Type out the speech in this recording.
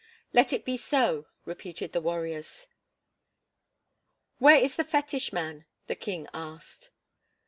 "Let it be so," repeated the warriors. "Where is the fetish man?" the king asked.